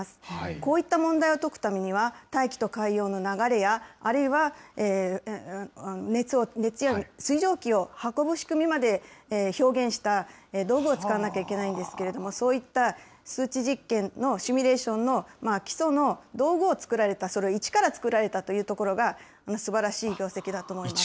こういった問題を解くため、大気の流れや、あるいは熱や水蒸気を運ぶ仕組みまで表現した道具を使わなければいけないんですけれども、そういった数値実験のシミュレーションの基礎の道具を作られた、それを一から作られたというところがすばらしい業績だと思います。